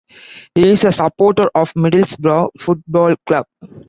He is a supporter of Middlesbrough Football Club.